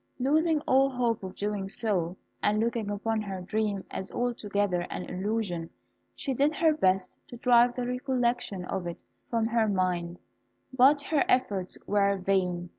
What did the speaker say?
Losing all hope of doing so, and looking upon her dream as altogether an illusion, she did her best to drive the recollection of it from her mind; but her efforts were vain.